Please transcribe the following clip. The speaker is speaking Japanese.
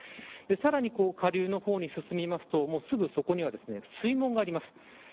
さらに下流の方に進みますとすぐそこには水門があります。